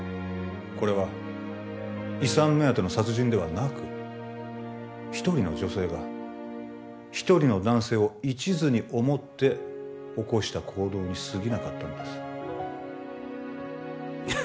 これは遺産目当ての殺人ではなく一人の女性が一人の男性を一途に思って起こした行動にすぎなかったんです